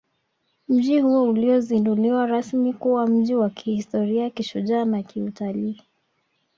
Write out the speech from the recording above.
Mji huo ulizinduliwa rasmi kuwa mji wa kihistoria kishujaa na kiutalii